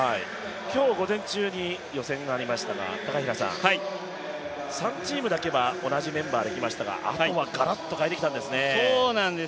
今日午前中に予選がありましたが、３チームだけは同じメンバーで来ましたがあとはがらっと変えてきたんですね。